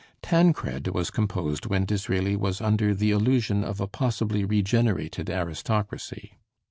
'Tancred' was composed when Disraeli was under "the illusion of a possibly regenerated aristocracy."